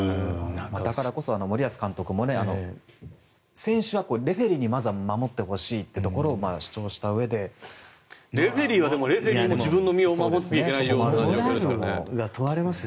だからこそ森保監督も選手はレフェリーにまずは守ってほしいというところをレフェリーはレフェリーも自分の身を守らないといけないから。